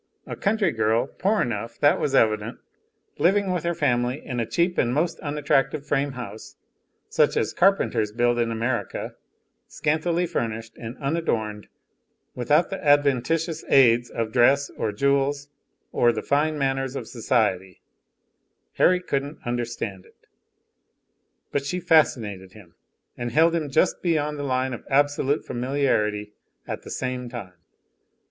A country girl, poor enough, that was evident; living with her family in a cheap and most unattractive frame house, such as carpenters build in America, scantily furnished and unadorned; without the adventitious aids of dress or jewels or the fine manners of society Harry couldn't understand it. But she fascinated him, and held him just beyond the line of absolute familiarity at the same time.